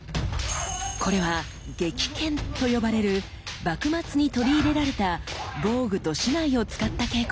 これは「撃剣」と呼ばれる幕末に取り入れられた防具と竹刀を使った稽古。